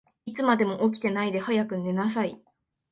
いつまでも起きてないで、早く寝なさい。